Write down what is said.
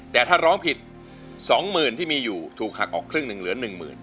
แต่ถ้าร้องผิด๒๐๐๐ที่มีอยู่ถูกหักออกครึ่งหนึ่งเหลือ๑หมื่น